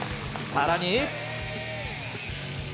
さらに。